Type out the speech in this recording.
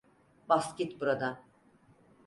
Bas git buradan.